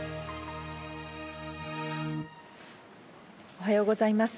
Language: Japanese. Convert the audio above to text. おはようございます。